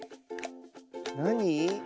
なに？